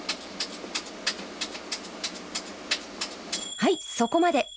はいそこまで！